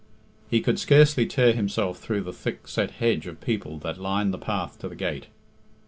He could scarcely tear himself through the thick set hedge of people that lined the path to the gate.